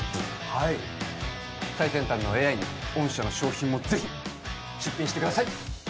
はい最先端のＡＩに御社の商品もぜひ出品してください